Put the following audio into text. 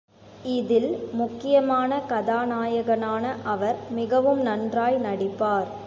இதில் முக்கியமான கதாநாயகனாக அவர் மிகவும் நன்றாய் நடிப்பார்.